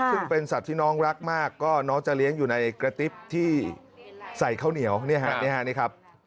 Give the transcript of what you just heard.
ซึ่งเป็นสัตว์ที่น้องรักมากก็น้องจะเลี้ยงอยู่ในกระติ๊บที่ใส่ข้าวเหนียวนี่ครับ